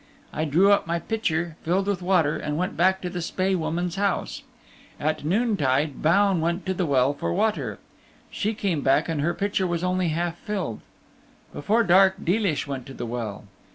I drew up my pitcher filled with water, and went back to the Spae Woman's house. At noontide Baun went to the well for water. She came back and her pitcher was only half filled. Before dark Deelish went to the well.